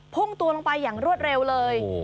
พุ่งตัวลงไปอย่างรวดเร็วเลย